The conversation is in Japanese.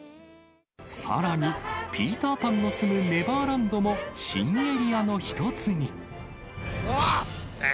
さらに、ピーター・パンの住むネバーランドも、新エリアの１つに。